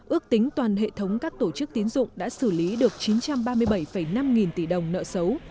ước tính toàn hệ thống các tổ chức tiến dụng đã xử lý được chín trăm ba mươi bảy năm nghìn tỷ đồng nợ xấu